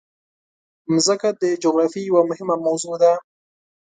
مځکه د جغرافیې یوه مهمه موضوع ده.